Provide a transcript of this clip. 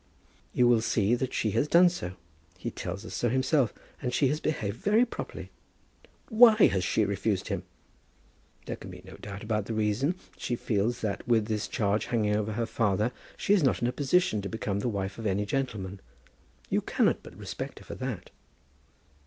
"You will see that she has done so. He tells us so himself. And she has behaved very properly." "Why has she refused him?" "There can be no doubt about the reason. She feels that, with this charge hanging over her father, she is not in a position to become the wife of any gentleman. You cannot but respect her for that."